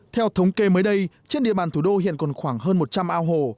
theo thống kê mới đây trên địa bàn thủ đô hiện còn khoảng hơn một trăm linh ao hồ